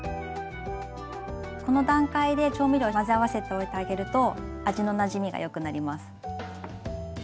この段階で調味料混ぜ合わせておいてあげると味のなじみがよくなります。